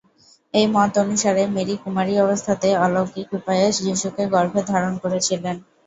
এই মত অনুসারে, মেরি কুমারী অবস্থাতেই অলৌকিক উপায়ে যিশুকে গর্ভে ধারণ করেছিলেন।